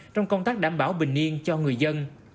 trong công tác đảm bảo bình yên cho người dân